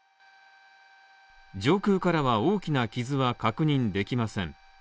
上空からは大きな傷は確認できません。